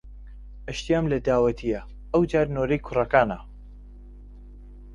ئیشتیام لە داوەتێ یە ئەو جار نۆرەی کوڕەکانە